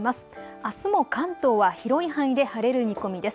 あすも関東は広い範囲で晴れる見込みです。